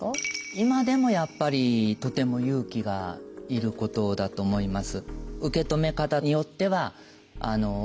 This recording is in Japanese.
今でもやっぱりとても勇気がいることだと思います。